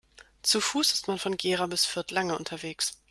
Zu Fuß ist man von Gera bis Fürth lange unterwegs